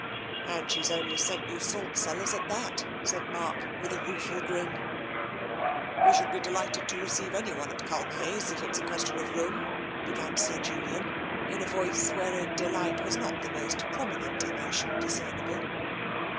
"" And she's only sent you salt cellars, at that," said Mark, with a rueful grin. "We should be delighted to receive anyone at Culmhayes if it's a question of room," began Sir Julian, in voice wherein delight was not the most prom inent emotion discernible.